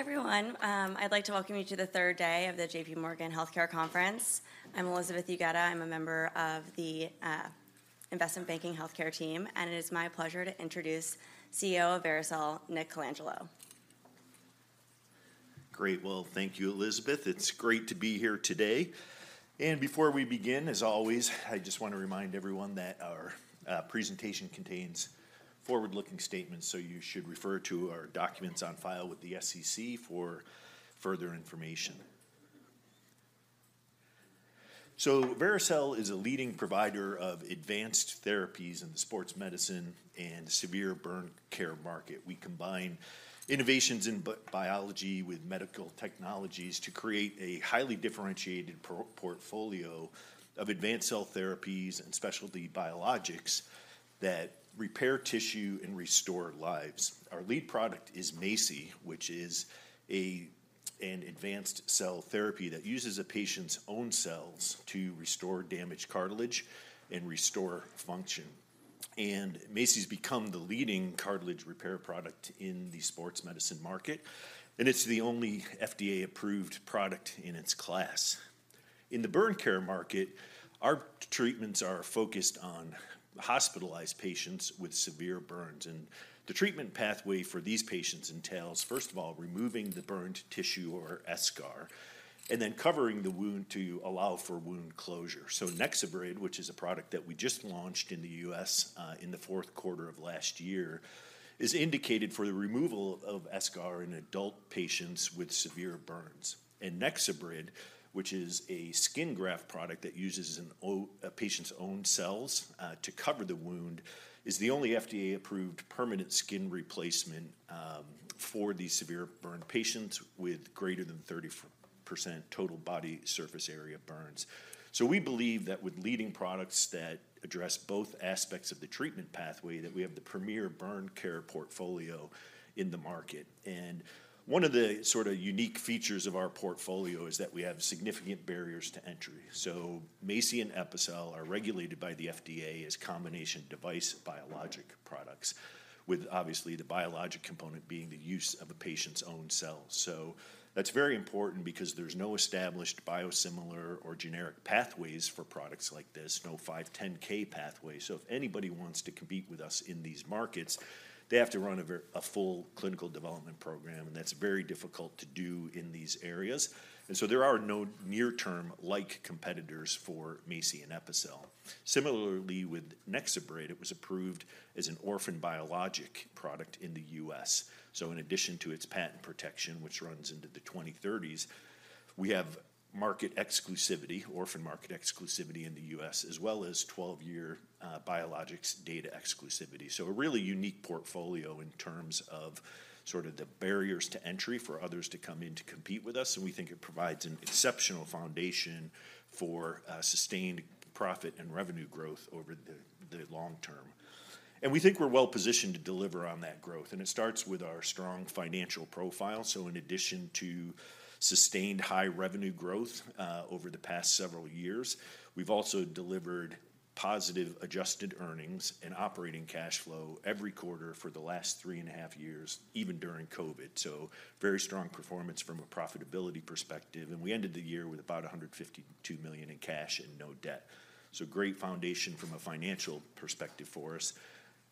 Hi, everyone. I'd like to welcome you to the third day of the J.P. Morgan Healthcare Conference. I'm Elizabeth Ughetta. I'm a member of the investment banking healthcare team, and it is my pleasure to introduce CEO of Vericel, Nick Colangelo. Great. Well, thank you, Elizabeth. It's great to be here today. Before we begin, as always, I just wanna remind everyone that our presentation contains forward-looking statements, so you should refer to our documents on file with the SEC for further information. Vericel is a leading provider of advanced therapies in the sports medicine and severe burn care market. We combine innovations in biology with medical technologies to create a highly differentiated portfolio of advanced cell therapies and specialty biologics that repair tissue and restore lives. Our lead product is MACI, which is an advanced cell therapy that uses a patient's own cells to restore damaged cartilage and restore function. MACI has become the leading cartilage repair product in the sports medicine market, and it's the only FDA-approved product in its class. In the burn care market, our treatments are focused on hospitalized patients with severe burns, and the treatment pathway for these patients entails, first of all, removing the burned tissue or eschar, and then covering the wound to allow for wound closure. So NexoBrid, which is a product that we just launched in the U.S., in the fourth quarter of last year, is indicated for the removal of eschar in adult patients with severe burns. And NexoBrid, which is a skin graft product that uses a patient's own cells, to cover the wound, is the only FDA-approved permanent skin replacement, for these severe burn patients with greater than 30% total body surface area burns. So we believe that with leading products that address both aspects of the treatment pathway, that we have the premier burn care portfolio in the market. One of the sorta unique features of our portfolio is that we have significant barriers to entry. So MACI and Epicel are regulated by the FDA as combination device biologic products, with obviously the biologic component being the use of a patient's own cells. So that's very important because there's no established biosimilar or generic pathways for products like this, no 510(k) pathway. So if anybody wants to compete with us in these markets, they have to run a full clinical development program, and that's very difficult to do in these areas. And so there are no near-term like competitors for MACI and Epicel. Similarly, with NexoBrid, it was approved as an orphan biologic product in the U.S. In addition to its patent protection, which runs into the 2030s, we have market exclusivity, orphan market exclusivity in the U.S., as well as 12-year biologics data exclusivity. A really unique portfolio in terms of sorta the barriers to entry for others to come in to compete with us, and we think it provides an exceptional foundation for sustained profit and revenue growth over the long term. We think we're well-positioned to deliver on that growth, and it starts with our strong financial profile. In addition to sustained high revenue growth over the past several years, we've also delivered positive adjusted earnings and operating cash flow every quarter for the last three and a half years, even during COVID. So very strong performance from a profitability perspective, and we ended the year with about $152 million in cash and no debt. So great foundation from a financial perspective for us.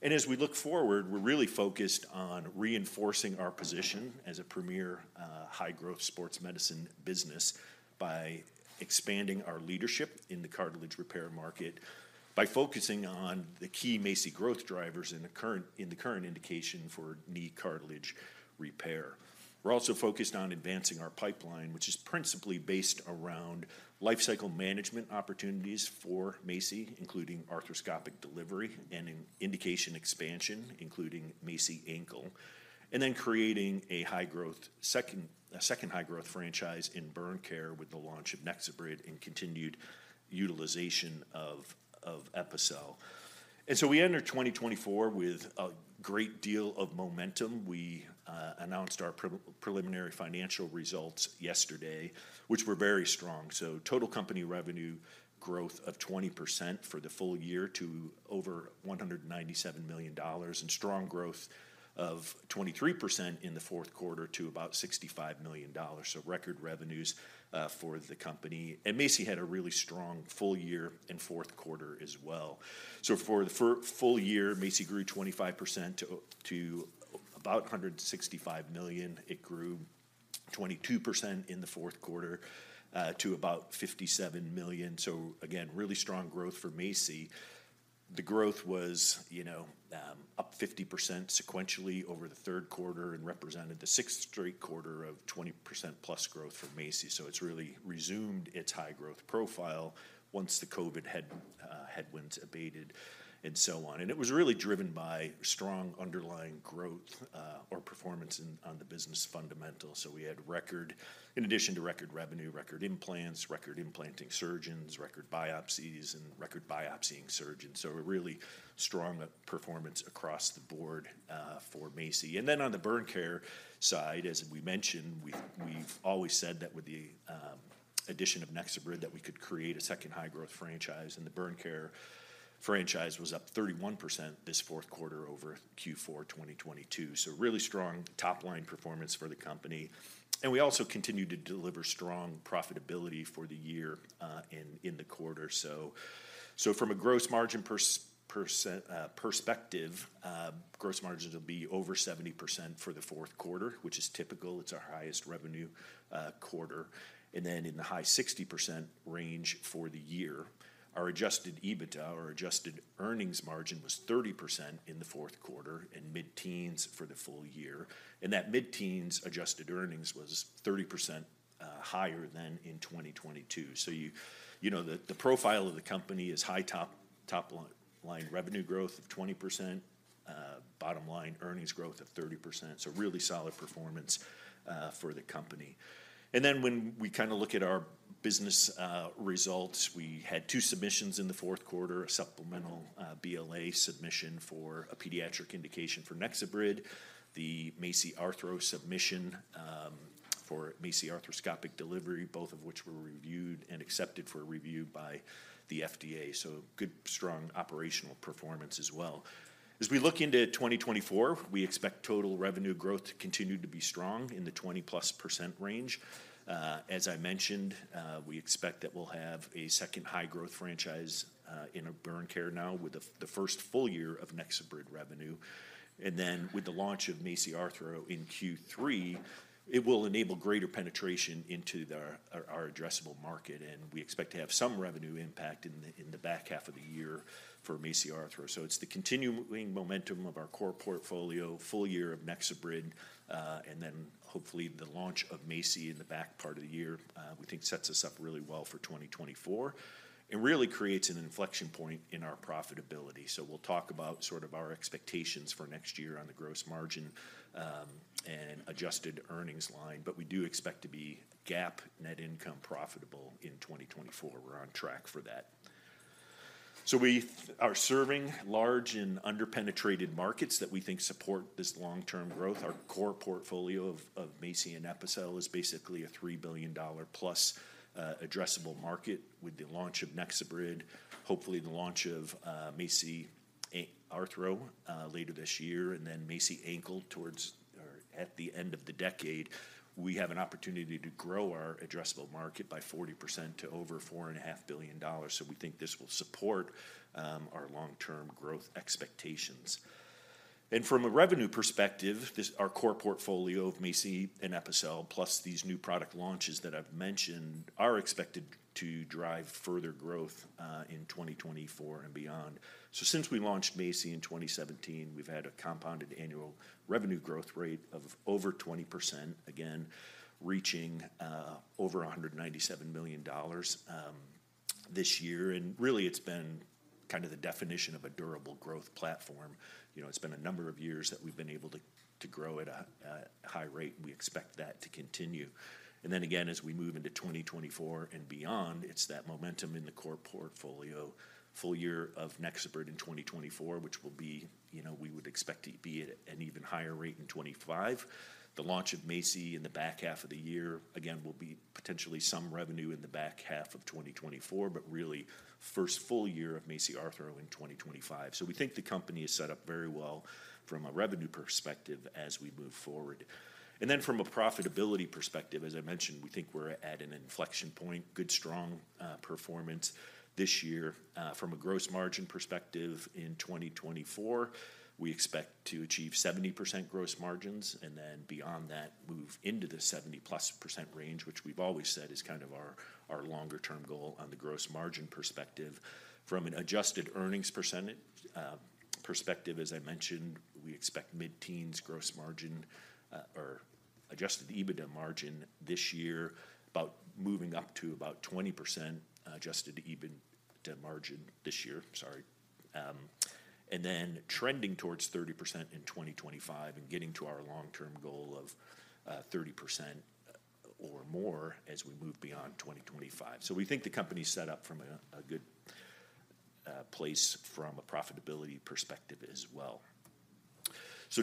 And as we look forward, we're really focused on reinforcing our position as a premier high-growth sports medicine business by expanding our leadership in the cartilage repair market, by focusing on the key MACI growth drivers in the current indication for knee cartilage repair. We're also focused on advancing our pipeline, which is principally based around lifecycle management opportunities for MACI, including arthroscopic delivery and an indication expansion, including MACI ankle, and then creating a second high-growth franchise in burn care with the launch of NexoBrid and continued utilization of Epicel. And so we enter 2024 with a great deal of momentum. We announced our preliminary financial results yesterday, which were very strong. So total company revenue growth of 20% for the full year to over $197 million, and strong growth of 23% in the fourth quarter to about $65 million, so record revenues for the company. And MACI had a really strong full year and fourth quarter as well. So for the full year, MACI grew 25% to about $165 million. It grew 22% in the fourth quarter to about $57 million. So again, really strong growth for MACI. The growth was, you know, up 50% sequentially over the third quarter and represented the sixth straight quarter of 20%+ growth for MACI. So it's really resumed its high-growth profile once the COVID headwinds abated and so on. And it was really driven by strong underlying growth, or performance on the business fundamentals. So we had record... In addition to record revenue, record implants, record implanting surgeons, record biopsies, and record biopsying surgeons, so a really strong performance across the board, for MACI. And then on the burn care side, as we mentioned... We've always said that with the addition of NexoBrid, that we could create a second high-growth franchise, and the burn care franchise was up 31% this fourth quarter over Q4 2022. So really strong top-line performance for the company, and we also continued to deliver strong profitability for the year, in the quarter. So from a gross margin percent perspective, gross margins will be over 70% for the fourth quarter, which is typical. It's our highest revenue quarter, and then in the high 60% range for the year. Our adjusted EBITDA or adjusted earnings margin was 30% in the fourth quarter and mid-teens for the full year, and that mid-teens adjusted earnings was 30% higher than in 2022. So you know, the profile of the company is high top-line revenue growth of 20%, bottom line earnings growth of 30%. So really solid performance for the company. And then when we kinda look at our business results, we had 2 submissions in the fourth quarter, a supplemental BLA submission for a pediatric indication for NexoBrid, the MACI Arthro submission for MACI arthroscopic delivery, both of which were reviewed and accepted for review by the FDA. So good, strong operational performance as well. As we look into 2024, we expect total revenue growth to continue to be strong in the 20%+ range. As I mentioned, we expect that we'll have a second high-growth franchise in our burn care now with the first full year of NexoBrid revenue. And then with the launch of MACI Arthro in Q3, it will enable greater penetration into our addressable market, and we expect to have some revenue impact in the back half of the year for MACI Arthro. So it's the continuing momentum of our core portfolio, full year of NexoBrid, and then hopefully the launch of MACI in the back part of the year, we think sets us up really well for 2024 and really creates an inflection point in our profitability. So we'll talk about sort of our expectations for next year on the gross margin, and adjusted earnings line, but we do expect to be GAAP net income profitable in 2024. We're on track for that. So we are serving large and under-penetrated markets that we think support this long-term growth. Our core portfolio of MACI and Epicel is basically a $3 billion+ addressable market. With the launch of NexoBrid, hopefully the launch of MACI Arthro later this year, and then MACI Ankle towards or at the end of the decade, we have an opportunity to grow our addressable market by 40% to over $4.5 billion. So we think this will support our long-term growth expectations. From a revenue perspective, this, our core portfolio of MACI and Epicel, plus these new product launches that I've mentioned, are expected to drive further growth in 2024 and beyond. So since we launched MACI in 2017, we've had a compounded annual revenue growth rate of over 20%, again, reaching over $197 million this year. And really, it's been kind of the definition of a durable growth platform. You know, it's been a number of years that we've been able to grow at a high rate, and we expect that to continue. And then again, as we move into 2024 and beyond, it's that momentum in the core portfolio, full year of NexoBrid in 2024, which will be, you know, we would expect to be at an even higher rate in 2025. The launch of MACI in the back half of the year, again, will be potentially some revenue in the back half of 2024, but really first full year of MACI Arthro in 2025. So we think the company is set up very well from a revenue perspective as we move forward. And then from a profitability perspective, as I mentioned, we think we're at an inflection point, good, strong, performance this year. From a gross margin perspective in 2024, we expect to achieve 70% gross margins, and then beyond that, move into the 70%+ range, which we've always said is kind of our, our longer-term goal on the gross margin perspective. From an adjusted earnings perspective, as I mentioned, we expect mid-teens gross margin or Adjusted EBITDA margin this year, about moving up to about 20% Adjusted EBITDA margin this year, sorry, and then trending towards 30% in 2025 and getting to our long-term goal of 30% or more as we move beyond 2025. We think the company is set up from a good place from a profitability perspective as well.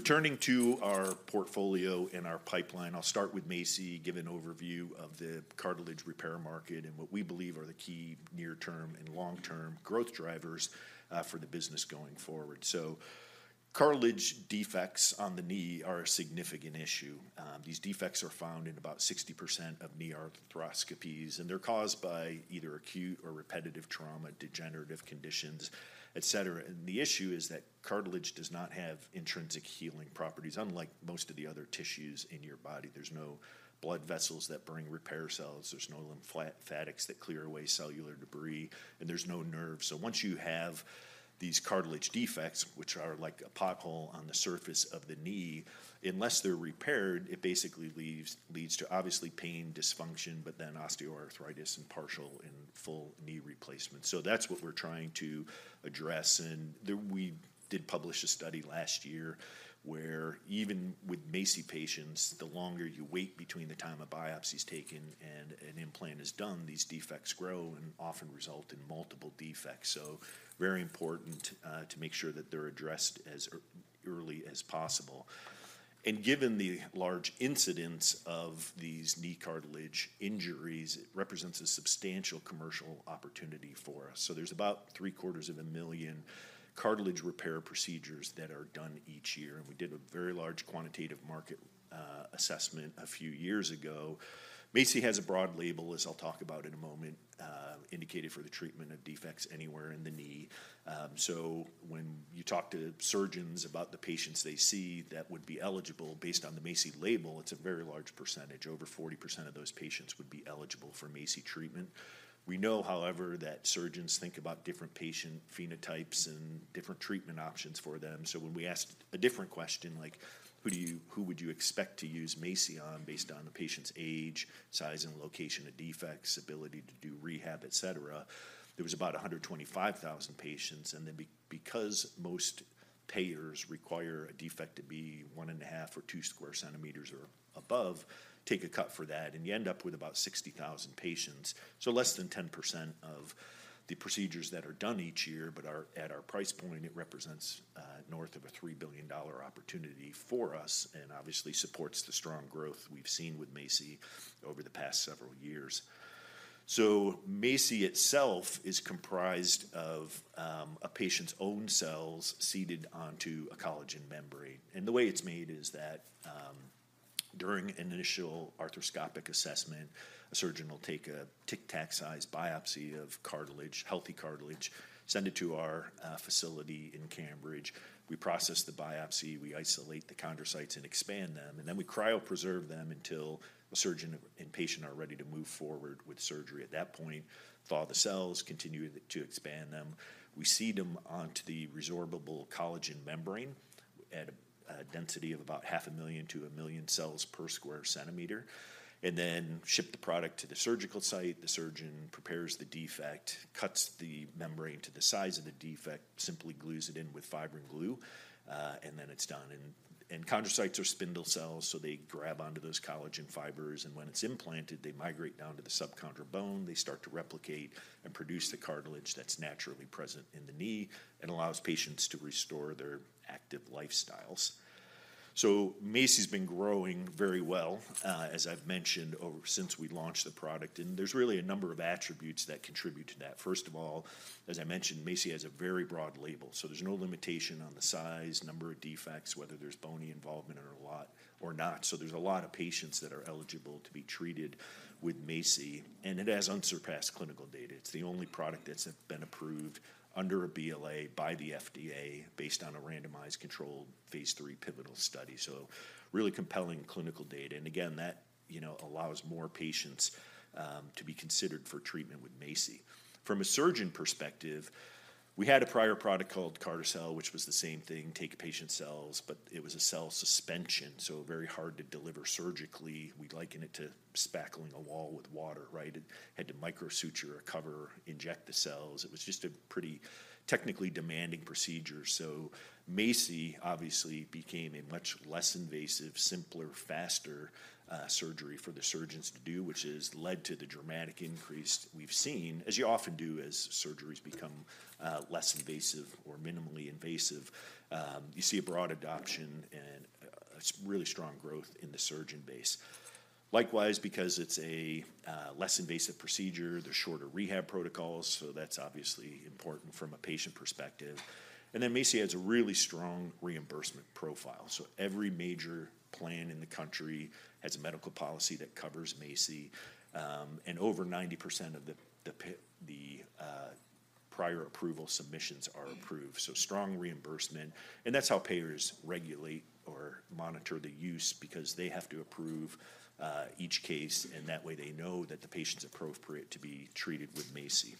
Turning to our portfolio and our pipeline, I'll start with MACI, give an overview of the cartilage repair market and what we believe are the key near-term and long-term growth drivers for the business going forward. Cartilage defects on the knee are a significant issue. These defects are found in about 60% of knee arthroscopies, and they're caused by either acute or repetitive trauma, degenerative conditions, et cetera. And the issue is that cartilage does not have intrinsic healing properties, unlike most of the other tissues in your body. There's no blood vessels that bring repair cells, there's no lymphatics that clear away cellular debris, and there's no nerves. So once you have these cartilage defects, which are like a pothole on the surface of the knee, unless they're repaired, it basically leads to obviously pain, dysfunction, but then osteoarthritis and partial and full knee replacement. So that's what we're trying to address, and we did publish a study last year where even with MACI patients, the longer you wait between the time a biopsy's taken and an implant is done, these defects grow and often result in multiple defects. So very important to make sure that they're addressed as early as possible.... and given the large incidence of these knee cartilage injuries, it represents a substantial commercial opportunity for us. So there's about 750,000 cartilage repair procedures that are done each year, and we did a very large quantitative market assessment a few years ago. MACI has a broad label, as I'll talk about in a moment, indicated for the treatment of defects anywhere in the knee. So when you talk to surgeons about the patients they see that would be eligible based on the MACI label, it's a very large percentage. Over 40% of those patients would be eligible for MACI treatment. We know, however, that surgeons think about different patient phenotypes and different treatment options for them. So when we asked a different question, like, "Who would you expect to use MACI on, based on the patient's age, size, and location of defects, ability to do rehab, et cetera?" There was about 125,000 patients, and then because most payers require a defect to be 1.5 or 2 square centimeters or above, take a cut for that, and you end up with about 60,000 patients, so less than 10% of the procedures that are done each year. But at our price point, it represents north of a $3 billion opportunity for us and obviously supports the strong growth we've seen with MACI over the past several years. So MACI itself is comprised of a patient's own cells seeded onto a collagen membrane, and the way it's made is that during an initial arthroscopic assessment, a surgeon will take a Tic Tac-sized biopsy of cartilage, healthy cartilage, send it to our facility in Cambridge. We process the biopsy, we isolate the chondrocytes and expand them, and then we cryopreserve them until the surgeon and patient are ready to move forward with surgery. At that point, thaw the cells, continue to expand them. We seed them onto the resorbable collagen membrane at a density of about 500,000-1,000,000 cells per square centimeter, and then ship the product to the surgical site. The surgeon prepares the defect, cuts the membrane to the size of the defect, simply glues it in with fibrin glue, and then it's done. Chondrocytes are spindle cells, so they grab onto those collagen fibers, and when it's implanted, they migrate down to the subchondral bone. They start to replicate and produce the cartilage that's naturally present in the knee and allows patients to restore their active lifestyles. So MACI's been growing very well, as I've mentioned, since we launched the product, and there's really a number of attributes that contribute to that. First of all, as I mentioned, MACI has a very broad label, so there's no limitation on the size, number of defects, whether there's bony involvement or a lot or not. So there's a lot of patients that are eligible to be treated with MACI, and it has unsurpassed clinical data. It's the only product that's been approved under a BLA by the FDA based on a randomized, controlled Phase III pivotal study, so really compelling clinical data and again, that, you know, allows more patients to be considered for treatment with MACI. From a surgeon perspective, we had a prior product called Carticel, which was the same thing, take a patient's cells, but it was a cell suspension, so very hard to deliver surgically. We'd liken it to spackling a wall with water, right? It had to microsuture, a cover, inject the cells. It was just a pretty technically demanding procedure, so MACI obviously became a much less invasive, simpler, faster surgery for the surgeons to do, which has led to the dramatic increase we've seen, as you often do, as surgeries become less invasive or minimally invasive. You see a broad adoption and a really strong growth in the surgeon base. Likewise, because it's a less invasive procedure, there's shorter rehab protocols, so that's obviously important from a patient perspective. And then MACI has a really strong reimbursement profile, so every major plan in the country has a medical policy that covers MACI, and over 90% of the prior approval submissions are approved, so strong reimbursement. And that's how payers regulate or monitor the use because they have to approve each case, and that way, they know that the patient's appropriate to be treated with MACI.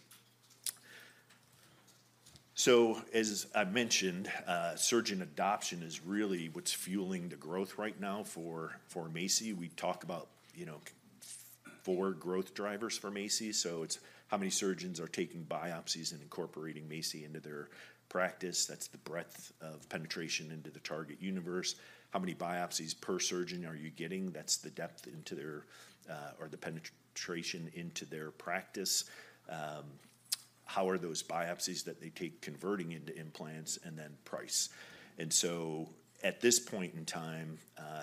So as I've mentioned, surgeon adoption is really what's fueling the growth right now for MACI. We talk about, you know, four growth drivers for MACI. So it's how many surgeons are taking biopsies and incorporating MACI into their practice. That's the breadth of penetration into the target universe. How many biopsies per surgeon are you getting? That's the depth into their, or the penetration into their practice. How are those biopsies that they take converting into implants, and then price? And so at this point in time,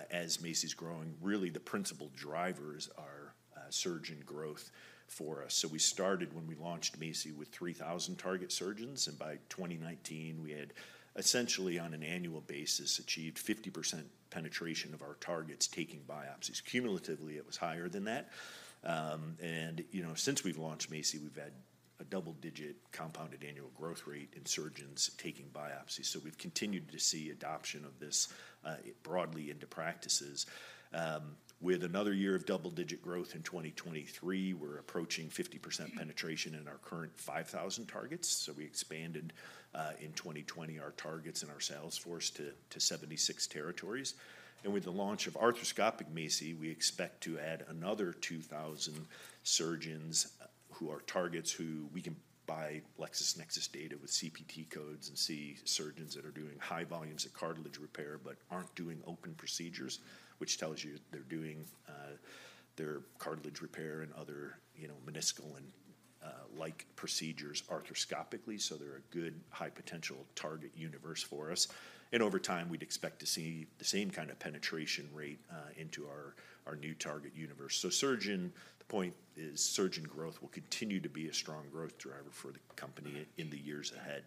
as MACI's growing, really the principal drivers are, surgeon growth for us. So we started when we launched MACI with 3,000 target surgeons, and by 2019, we had essentially, on an annual basis, achieved 50% penetration of our targets taking biopsies. Cumulatively, it was higher than that, and you know, since we've launched MACI, we've had a double-digit compounded annual growth rate in surgeons taking biopsies, so we've continued to see adoption of this, broadly into practices. With another year of double-digit growth in 2023, we're approaching 50% penetration in our current 5,000 targets, so we expanded in 2020 our targets and our sales force to 76 territories. And with the launch of arthroscopic MACI, we expect to add another 2,000 surgeons who are targets who we can, by LexisNexis data with CPT codes and see surgeons that are doing high volumes of cartilage repair but aren't doing open procedures, which tells you they're doing their cartilage repair and other, you know, meniscal and like procedures arthroscopically, so they're a good, high potential target universe for us. And over time, we'd expect to see the same kind of penetration rate into our new target universe. So, surgeon, the point is, surgeon growth will continue to be a strong growth driver for the company in the years ahead.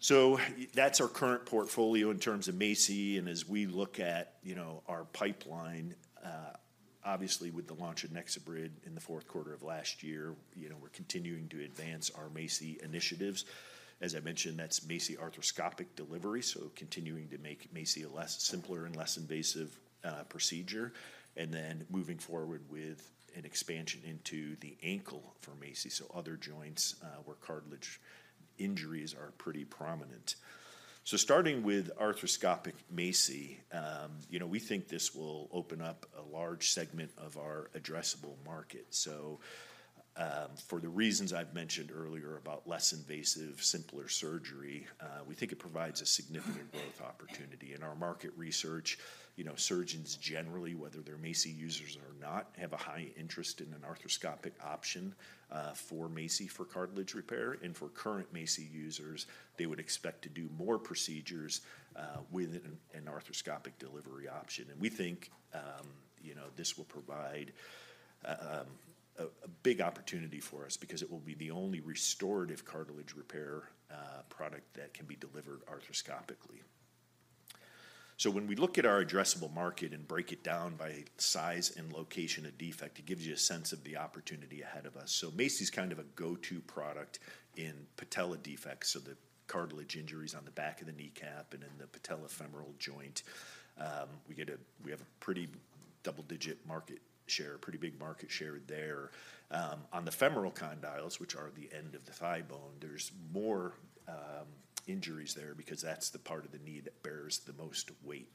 So that's our current portfolio in terms of MACI, and as we look at, you know, our pipeline, obviously, with the launch of NexoBrid in the fourth quarter of last year, you know, we're continuing to advance our MACI initiatives. As I mentioned, that's MACI arthroscopic delivery, so continuing to make MACI a less simpler and less invasive procedure, and then moving forward with an expansion into the ankle for MACI, so other joints where cartilage injuries are pretty prominent. So starting with arthroscopic MACI, you know, we think this will open up a large segment of our addressable market. So, for the reasons I've mentioned earlier about less invasive, simpler surgery, we think it provides a significant growth opportunity. In our market research, you know, surgeons generally, whether they're MACI users or not, have a high interest in an arthroscopic option for MACI for cartilage repair. And for current MACI users, they would expect to do more procedures with an arthroscopic delivery option. And we think, you know, this will provide a big opportunity for us because it will be the only restorative cartilage repair product that can be delivered arthroscopically. So when we look at our addressable market and break it down by size and location of defect, it gives you a sense of the opportunity ahead of us. So MACI's kind of a go-to product in patella defects, so the cartilage injuries on the back of the kneecap and in the patellofemoral joint. We have a pretty double-digit market share, a pretty big market share there. On the femoral condyles, which are the end of the thighbone, there's more injuries there because that's the part of the knee that bears the most weight.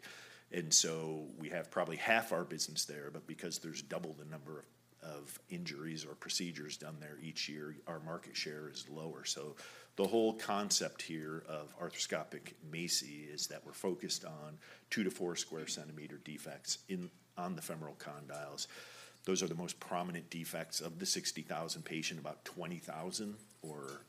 And so we have probably half our business there, but because there's double the number of injuries or procedures done there each year, our market share is lower. So the whole concept here of arthroscopic MACI is that we're focused on 2-4 square centimeter defects on the femoral condyles. Those are the most prominent defects. Of the 60,000 patients, about 20,000, or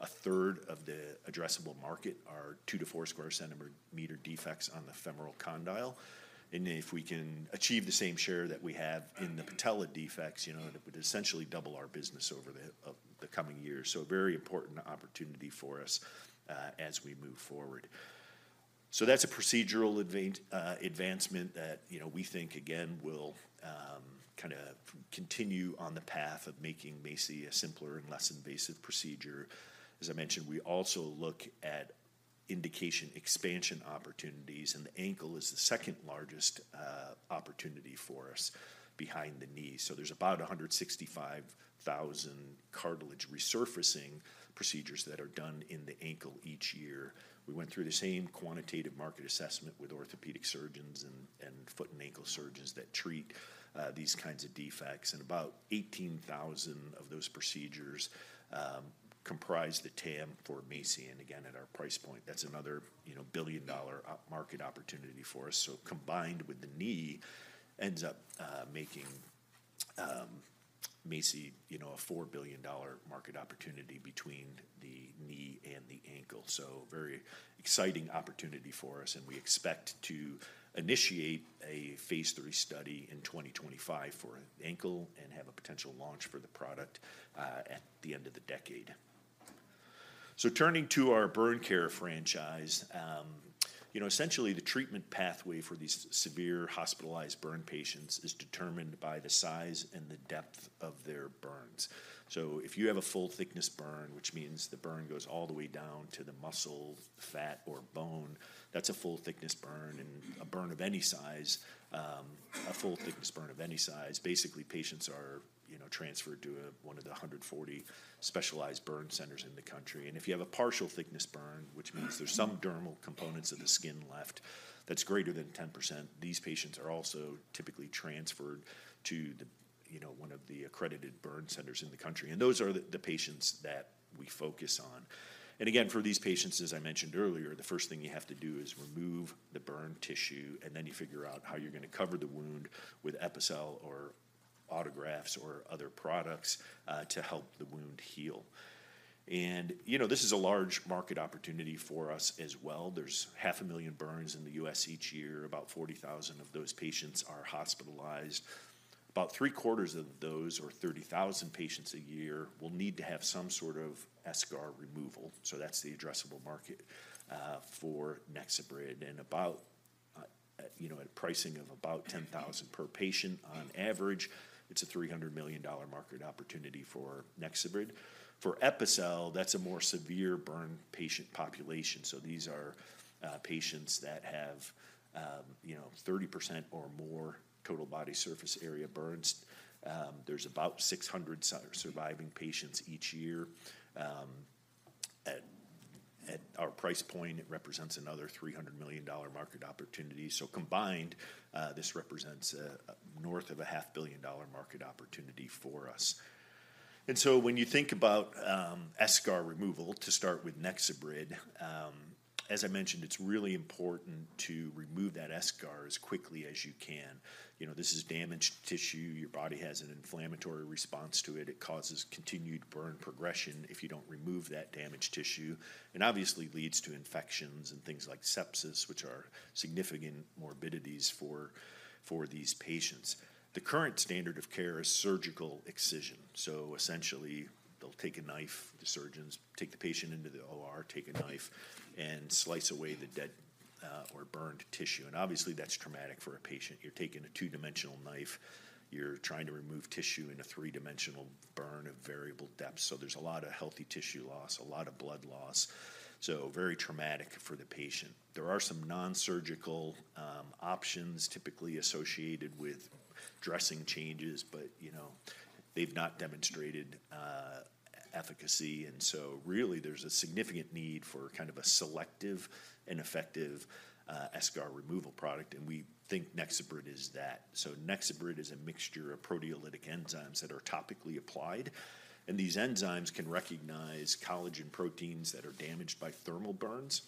a third of the addressable market, are 2-4 square centimeter defects on the femoral condyle. And if we can achieve the same share that we have in the patella defects, you know, it would essentially double our business over the coming years. So a very important opportunity for us, as we move forward. So that's a procedural advancement that, you know, we think, again, will kinda continue on the path of making MACI a simpler and less invasive procedure. As I mentioned, we also look at indication expansion opportunities, and the ankle is the second-largest opportunity for us behind the knee. So there's about 165,000 cartilage resurfacing procedures that are done in the ankle each year. We went through the same quantitative market assessment with orthopedic surgeons and foot and ankle surgeons that treat these kinds of defects, and about 18,000 of those procedures comprise the TAM for MACI. And again, at our price point, that's another, you know, billion-dollar market opportunity for us. So combined with the knee, ends up making MACI, you know, a $4 billion market opportunity between the knee and the ankle. So very exciting opportunity for us, and we expect to initiate a phase III study in 2025 for ankle and have a potential launch for the product at the end of the decade. So turning to our burn care franchise, you know, essentially, the treatment pathway for these severe hospitalized burn patients is determined by the size and the depth of their burns. So if you have a full-thickness burn, which means the burn goes all the way down to the muscle, fat, or bone, that's a full-thickness burn. A burn of any size, a full-thickness burn of any size, basically, patients are, you know, transferred to one of the 140 specialized burn centers in the country. If you have a partial thickness burn, which means there's some dermal components of the skin left that's greater than 10%, these patients are also typically transferred to the, you know, one of the accredited burn centers in the country, and those are the patients that we focus on. Again, for these patients, as I mentioned earlier, the first thing you have to do is remove the burn tissue, and then you figure out how you're gonna cover the wound with Epicel or autografts or other products to help the wound heal. You know, this is a large market opportunity for us as well. There's 500,000 burns in the U.S. each year. About 40,000 of those patients are hospitalized. About three-quarters of those, or 30,000 patients a year, will need to have some sort of eschar removal, so that's the addressable market for NexoBrid. And about, you know, at pricing of about $10,000 per patient on average, it's a $300 million market opportunity for NexoBrid. For Epicel, that's a more severe burn patient population, so these are patients that have, you know, 30% or more total body surface area burns. There's about 600 surviving patients each year. At our price point, it represents another $300 million market opportunity. So combined, this represents a north of $500 million market opportunity for us. And so when you think about eschar removal, to start with NexoBrid. As I mentioned, it's really important to remove that eschar as quickly as you can. You know, this is damaged tissue. Your body has an inflammatory response to it. It causes continued burn progression if you don't remove that damaged tissue, and obviously leads to infections and things like sepsis, which are significant morbidities for these patients. The current standard of care is surgical excision. So essentially, they'll take a knife, the surgeons take the patient into the OR, take a knife, and slice away the dead or burned tissue. And obviously, that's traumatic for a patient. You're taking a two-dimensional knife, you're trying to remove tissue in a three-dimensional burn of variable depth. So there's a lot of healthy tissue loss, a lot of blood loss. So very traumatic for the patient. There are some non-surgical options, typically associated with dressing changes, but, you know, they've not demonstrated efficacy. So really, there's a significant need for kind of a selective and effective eschar removal product, and we think NexoBrid is that. So NexoBrid is a mixture of proteolytic enzymes that are topically applied, and these enzymes can recognize collagen proteins that are damaged by thermal burns.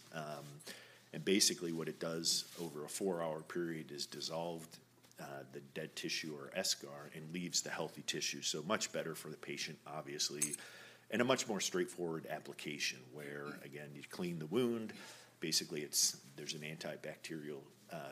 And basically, what it does over a four-hour period is dissolve the dead tissue or eschar and leaves the healthy tissue. So much better for the patient, obviously, and a much more straightforward application, where, again, you clean the wound. Basically, there's an antibacterial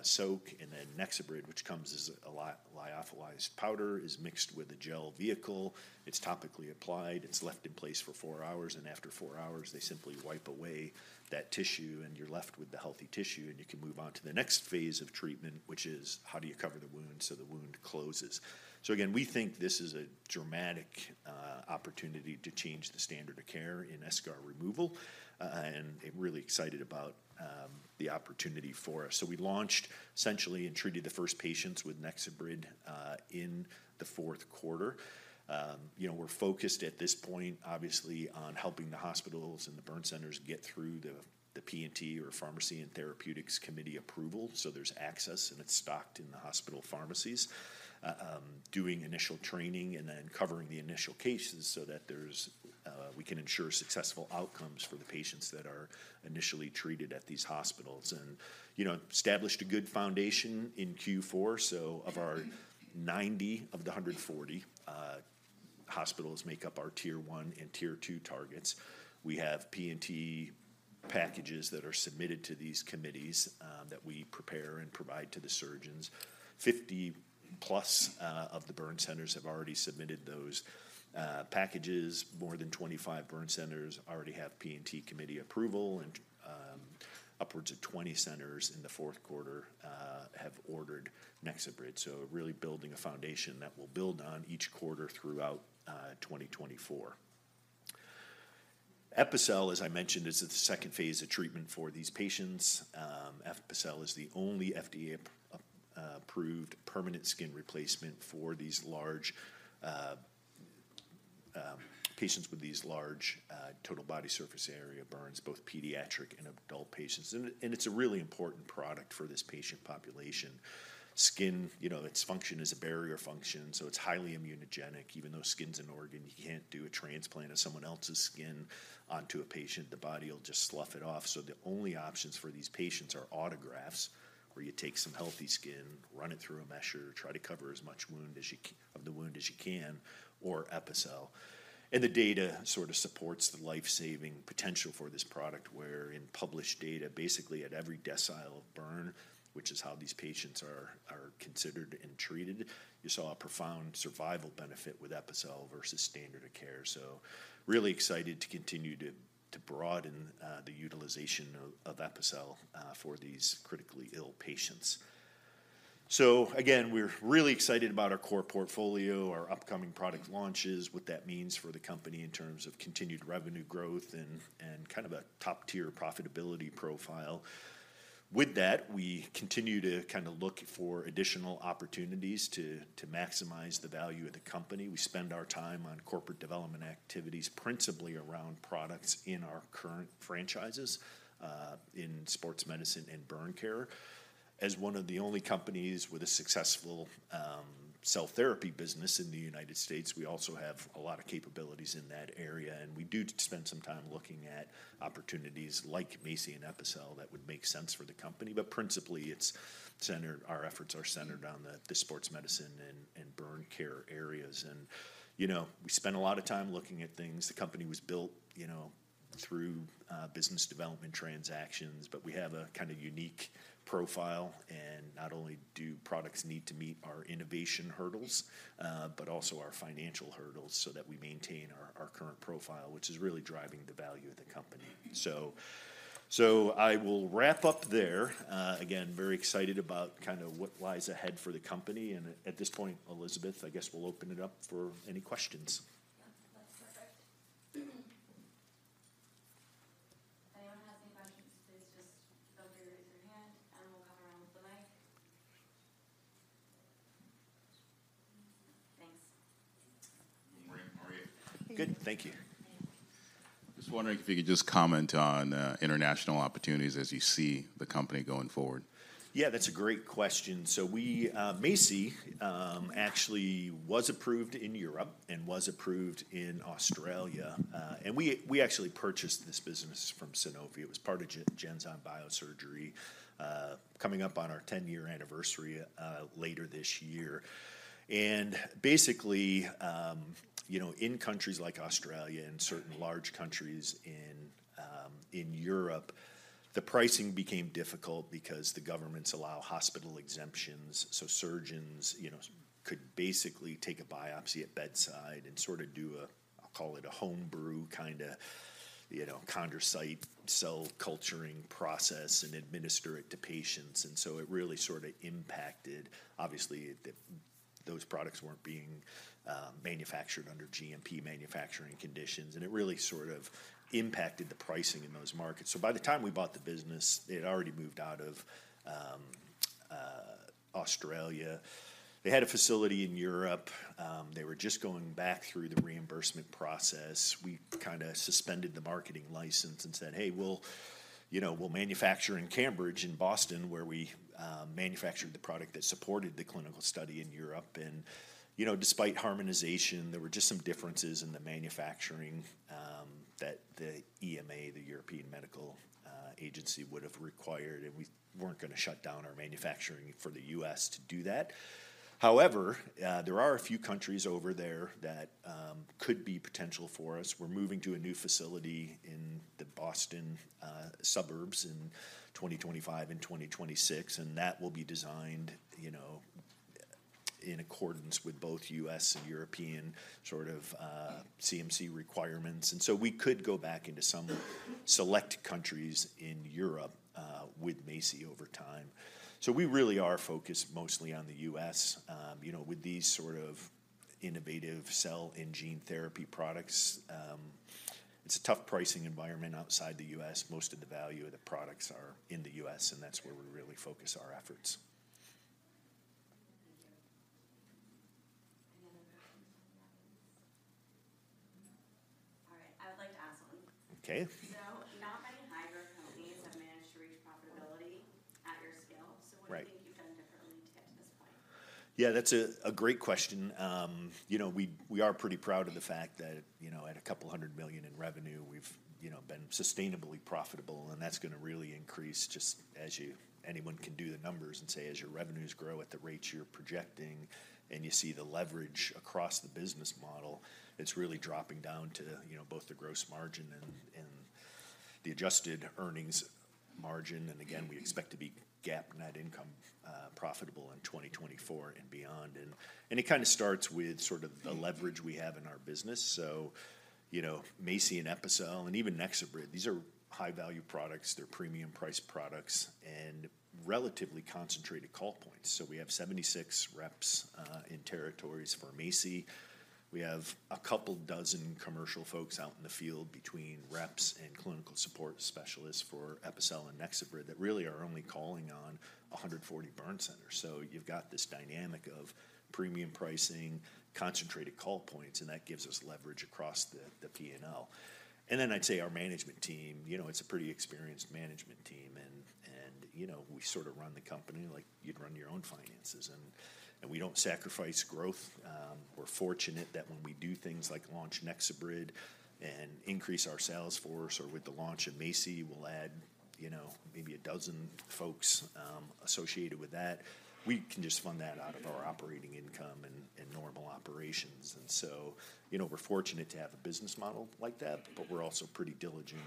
soak, and then NexoBrid, which comes as a lyophilized powder, is mixed with a gel vehicle. It's topically applied. It's left in place for four hours, and after four hours, they simply wipe away that tissue, and you're left with the healthy tissue, and you can move on to the next phase of treatment, which is: How do you cover the wound so the wound closes? So again, we think this is a dramatic opportunity to change the standard of care in eschar removal, and really excited about the opportunity for us. So we launched essentially and treated the first patients with NexoBrid in the fourth quarter. You know, we're focused at this point, obviously, on helping the hospitals and the burn centers get through the P&T or Pharmacy and Therapeutics Committee approval, so there's access, and it's stocked in the hospital pharmacies. Doing initial training and then covering the initial cases so that we can ensure successful outcomes for the patients that are initially treated at these hospitals. And, you know, established a good foundation in Q4, so of our 90 of the 140 hospitals make up our Tier One and Tier Two targets. We have P&T packages that are submitted to these committees that we prepare and provide to the surgeons. 50+ of the burn centers have already submitted those packages. More than 25 burn centers already have P&T committee approval, and upwards of 20 centers in the fourth quarter have ordered NexoBrid. So really building a foundation that we'll build on each quarter throughout 2024. Epicel, as I mentioned, is the second phase of treatment for these patients. Epicel is the only FDA approved permanent skin replacement for these large patients with these large total body surface area burns, both pediatric and adult patients. And it's a really important product for this patient population. Skin, you know, its function is a barrier function, so it's highly immunogenic. Even though skin's an organ, you can't do a transplant of someone else's skin onto a patient. The body will just slough it off. So the only options for these patients are autografts, where you take some healthy skin, run it through a mesher, try to cover as much of the wound as you can, or Epicel. The data sort of supports the life-saving potential for this product, where in published data, basically at every decile of burn, which is how these patients are considered and treated, you saw a profound survival benefit with Epicel versus standard of care. Really excited to continue to broaden the utilization of Epicel for these critically ill patients. Again, we're really excited about our core portfolio, our upcoming product launches, what that means for the company in terms of continued revenue growth and kind of a top-tier profitability profile. With that, we continue to kind of look for additional opportunities to maximize the value of the company. We spend our time on corporate development activities, principally around products in our current franchises in sports medicine and burn care. As one of the only companies with a successful cell therapy business in the United States, we also have a lot of capabilities in that area, and we do spend some time looking at opportunities like MACI and Epicel that would make sense for the company. But principally, it's centered, our efforts are centered on the sports medicine and burn care areas. And, you know, we spend a lot of time looking at things. The company was built, you know, through business development transactions, but we have a kind of unique profile. And not only do products need to meet our innovation hurdles, but also our financial hurdles so that we maintain our current profile, which is really driving the value of the company. So, so I will wrap up there. Again, very excited about kind of what lies ahead for the company, and at this point, Elizabeth, I guess we'll open it up for any questions. Yeah, that's perfect. If anyone has any questions, please just go ahead and raise your hand, and we'll come around with the mic. Thanks. (Good morning, how are you?) Good. Thank you. Yeah. Just wondering if you could just comment on international opportunities as you see the company going forward? Yeah, that's a great question. So we... MACI actually was approved in Europe and was approved in Australia... and we actually purchased this business from Sanofi. It was part of Genzyme Biosurgery, coming up on our 10-year anniversary, later this year. And basically, you know, in countries like Australia and certain large countries in Europe, the pricing became difficult because the governments allow hospital exemptions. So surgeons, you know, could basically take a biopsy at bedside and sort of do a, I'll call it a homebrew, kinda, you know, chondrocyte cell culturing process and administer it to patients. And so it really sort of impacted... Obviously, those products weren't being manufactured under GMP manufacturing conditions, and it really sort of impacted the pricing in those markets. So by the time we bought the business, they had already moved out of Australia. They had a facility in Europe. They were just going back through the reimbursement process. We kind of suspended the marketing license and said, "Hey, we'll, you know, we'll manufacture in Cambridge, in Boston," where we manufactured the product that supported the clinical study in Europe. And, you know, despite harmonization, there were just some differences in the manufacturing that the EMA, the European Medicines Agency, would have required, and we weren't gonna shut down our manufacturing for the U.S. to do that. However, there are a few countries over there that could be potential for us. We're moving to a new facility in the Boston suburbs in 2025 and 2026, and that will be designed, you know, in accordance with both U.S. and European sort of CMC requirements. So we could go back into some select countries in Europe with MACI over time. So we really are focused mostly on the U.S. You know, with these sort of innovative cell and gene therapy products, it's a tough pricing environment outside the U.S. Most of the value of the products are in the U.S., and that's where we really focus our efforts. Thank you. Any other questions on that? All right, I would like to ask one. Okay. So not many higher companies have managed to reach profitability at your scale- Right. So what do you think you've done differently to get to this point? Yeah, that's a, a great question. You know, we, we are pretty proud of the fact that, you know, at $200 million in revenue, we've, you know, been sustainably profitable, and that's gonna really increase just as you, anyone can do the numbers and say, as your revenues grow at the rates you're projecting, and you see the leverage across the business model, it's really dropping down to, you know, both the gross margin and, and the adjusted earnings margin. And again, we expect to be GAAP net income profitable in 2024 and beyond. And, and it kind of starts with sort of the leverage we have in our business. So, you know, MACI and Epicel and even NexoBrid, these are high-value products. They're premium-priced products and relatively concentrated call points. So we have 76 reps in territories for MACI. We have 24 commercial folks out in the field between reps and clinical support specialists for Epicel and NexoBrid that really are only calling on 140 burn centers. So you've got this dynamic of premium pricing, concentrated call points, and that gives us leverage across the P&L. And then I'd say our management team, you know, it's a pretty experienced management team. And you know, we sort of run the company like you'd run your own finances, and we don't sacrifice growth. We're fortunate that when we do things like launch NexoBrid and increase our sales force, or with the launch of MACI, we'll add, you know, maybe 12 folks associated with that. We can just fund that out of our operating income and normal operations. And so, you know, we're fortunate to have a business model like that, but we're also pretty diligent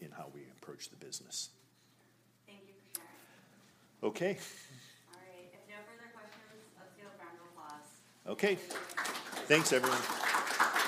in how we approach the business. Thank you for sharing. Okay. All right. If no further questions, let's give a round of applause. Okay. Thanks, everyone.